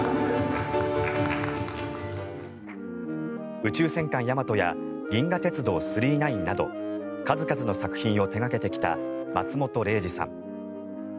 「宇宙戦艦ヤマト」や「銀河鉄道９９９」など数々の作品を手掛けてきた松本零士さん。